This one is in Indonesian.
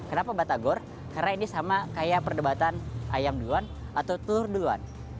kenapa batagor karena ini sama kayak perdebatan ayam duluan atau telur duluan